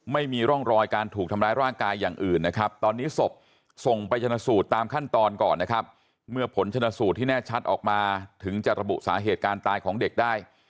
ไม่มีร่องรอยการถูกทำร้ายร่างกายอย่างอื่นนะครับตอนนี้ศพส่งไปชนะสูตรตามขั้นตอนก่อนนะครับเมื่อผลชนสูตรที่แน่ชัดออกมาถึงจะระบุสาเหตุการตายของเด็กได้